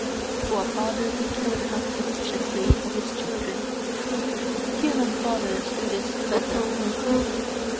"For a father he careth not sufficiently for his children: human fathers do this better!"